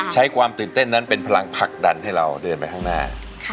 ใช้ความตื่นเต้นนั้นเป็นพลังผลักดันให้เราเดินไปข้างหน้า